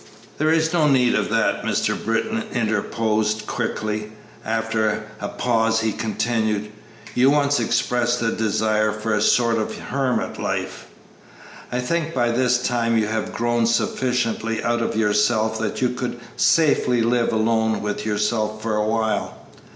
"There is no need of that," Mr. Britton interposed, quickly; after a pause he continued: "You once expressed a desire for a sort of hermit life. I think by this time you have grown sufficiently out of yourself that you could safely live alone with yourself for a while.